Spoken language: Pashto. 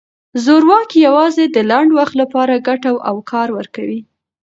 زورواکي یوازې د لنډ وخت لپاره ګټه او کار ورکوي.